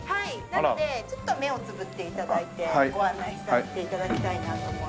なのでちょっと目をつぶって頂いてご案内させて頂きたいなと思うんですが。